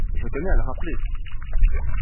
Je tenais à le rappeler.